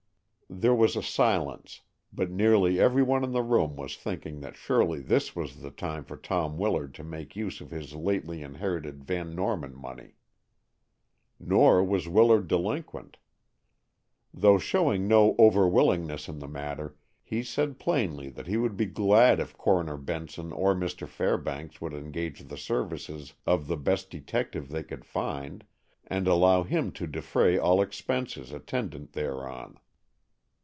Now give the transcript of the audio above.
There was a silence, but nearly every one in the room was thinking that surely this was the time for Tom Willard to make use of his lately inherited Van Norman money. Nor was Willard delinquent. Though showing no overwillingness in the matter, he said plainly that he would be glad if Coroner Benson or Mr. Fairbanks would engage the services of the best detective they could find, and allow him to defray all expenses attendant thereon.